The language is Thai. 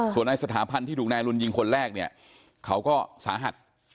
ส่วนในสถาพันธ์ที่ถูกนายอรุณยิงคนแรกเนี่ยเขาก็สาหัส